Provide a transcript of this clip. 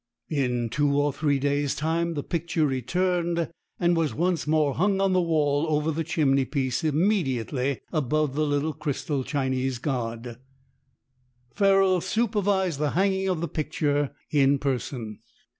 In two or three days' time the picture returned and was once more hung on the wall over the chimney piece immediately above the little crystal Chinese god. Ferrol supervised the hanging of the picture in person.